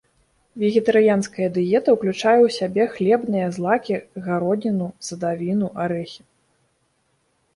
Вегетарыянская дыета уключае ў сябе хлебныя злакі, гародніну, садавіну, арэхі.